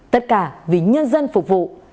tất cả vì nhân dân phục vụ